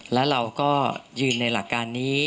แล้วเราก็ยืนในหลักการนี้